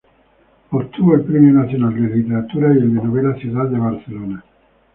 Obtuvo el Premio Nacional de Literatura y el de novela Ciudad de Barcelona.